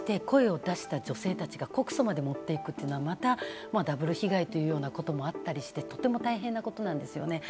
勇気を出して声を出した女性たちが告訴まで持っていくというのは、またダブル被害というようなこともあったりしてとても大変なことなんですよね。